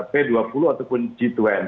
p dua puluh ataupun g dua puluh